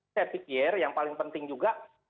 saya pikir yang paling penting juga